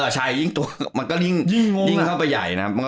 ใช่มันก็ยิ่งเข้าไปใหญ่นะ